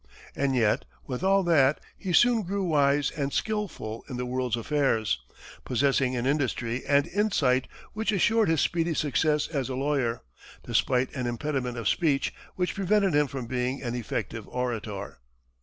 And yet, with all that, he soon grew wise and skillful in the world's affairs, possessing an industry and insight which assured his speedy success as a lawyer, despite an impediment of speech which prevented him from being an effective orator.